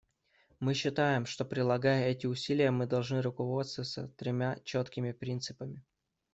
Мы считаем, что, прилагая эти усилия, мы должны руководствоваться тремя четкими принципами.